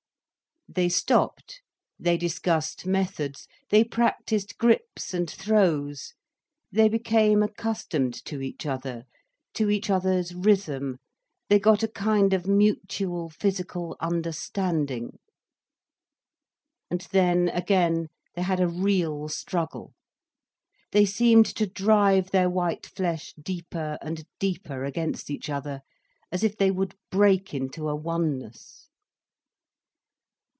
They stopped, they discussed methods, they practised grips and throws, they became accustomed to each other, to each other's rhythm, they got a kind of mutual physical understanding. And then again they had a real struggle. They seemed to drive their white flesh deeper and deeper against each other, as if they would break into a oneness.